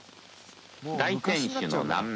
大天守の南面。